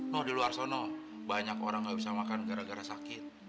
loh di luar sana banyak orang nggak bisa makan gara gara sakit